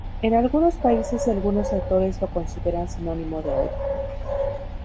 En algunos países y algunos autores lo consideran sinónimo de olla.